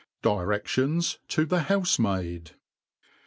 DIRECTIONS ta.thc HOUS E M AID.